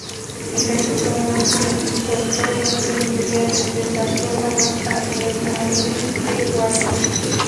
Interpretó un amplio repertorio que incluía desde zarzuela hasta "Lohengrin" de Wagner.